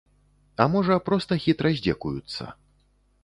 А можа, проста хітра здзекуюцца.